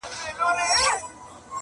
چي عطار هر څه شکري ورکولې!!